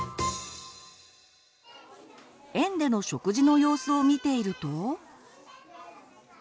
園での食事の様子を見ていると。